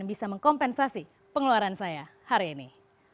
yang bisa mengkompensasi pengeluaran saya hari ini